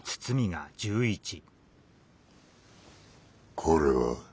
これは？